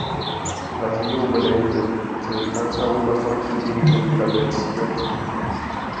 Tras esto un bailarín le lanza un bastón y Jennifer grita "Let's get it!